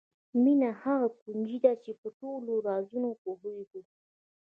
مینه هغه کونجي ده چې په ټولو رازونو پوهېږو.